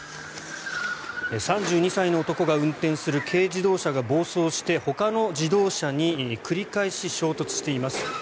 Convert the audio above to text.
３２歳の男が運転する軽自動車が暴走してほかの自動車に繰り返し衝突しています。